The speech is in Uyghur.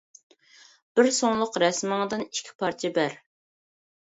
بىر سۇڭلۇق رەسىمىڭدىن ئىككى پارچە بەر.